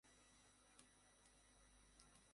তোমার কথা জানি না, কিন্তু আমার তো মজা লাগছে।